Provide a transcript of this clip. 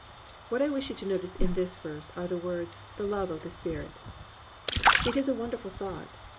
"+ What I wish you to notice in this verse are the words "The love of the Spirit." It is a wonderful thought.